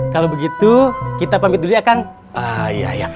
kalau begitu kita pamit dulu ya kan